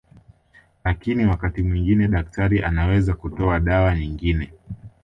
Lakini wakati mwingine daktari anaweza kutoa dawa nyinine